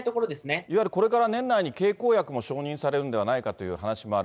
いわゆるこれから経口薬も承認されるんではないかという話もある。